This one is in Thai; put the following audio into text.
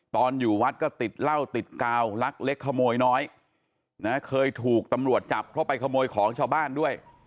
ตอนอยู่วัดก็ติดเหล้าติดกาวลักเล็กขโมยน้อยนะเคยถูกตำรวจจับเพราะไปขโมยของชาวบ้านด้วย